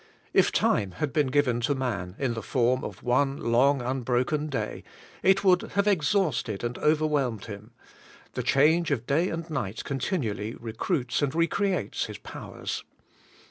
If time had been given to man in the form of one long unbroken day, it DAY BY DAY, 109 would have exhausted and overwhelmed him; the change of day and night continually recruits and re creates his powers.